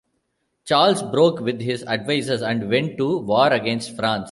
Charles broke with his advisors and went to war against France.